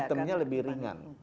simptomnya lebih ringan